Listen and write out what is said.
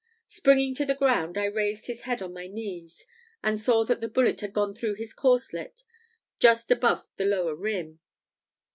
Springing to the ground, I raised his head on my knees, and saw that the bullet had gone through his corslet just above the lower rim.